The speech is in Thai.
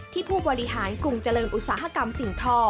ผู้บริหารกรุงเจริญอุตสาหกรรมสิ่งทอ